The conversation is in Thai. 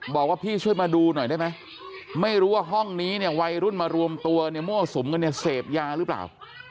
บอกว่าพี่ช่วยมาดูหน่อยได้ไหมไม่รู้ว่าห้องนี้เนี่ยวัยรุ่นมารวมตัวเนี่ยมั่วสุมกันเนี่ยเสพยาหรือเปล่า